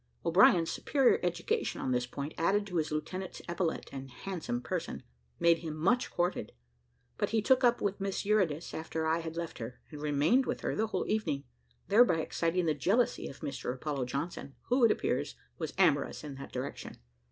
O'Brien's superior education on this point, added to his lieutenant's epaulet and handsome person, made him much courted: but he took up with Miss Eurydice after I had left her, and remained with her the whole evening; thereby exciting the jealousy of Mr Apollo Johnson, who, it appears, was amorous in that direction.